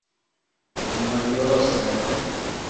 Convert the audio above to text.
mojose